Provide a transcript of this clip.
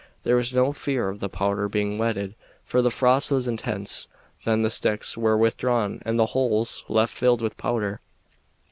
There was no fear of the powder being wetted, for the frost was intense. Then the sticks were withdrawn and the holes left filled with powder.